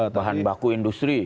bahan baku industri